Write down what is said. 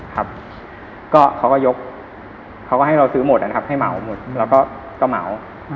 ครับก็เขาก็ยกเขาก็ให้เราซื้อหมดนะครับให้เหมาหมดแล้วก็เหมา